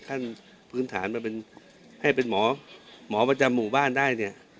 ท่านพื้นฐานให้เป็นหมอประจำหมู่บ้านได้